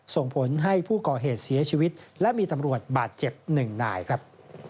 ส่งผลให้ผู้ก่อเหตุเสียชีวิตและมีตำรวจบาดเจ็บหนึ่งนายครับ